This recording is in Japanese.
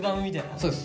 そうです。